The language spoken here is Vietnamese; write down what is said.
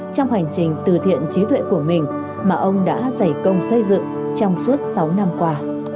trong hành trình từ thiện trí tuệ của mình mà ông đã giải công xây dựng trong suốt sáu năm qua